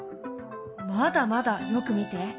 まだまだよく見て。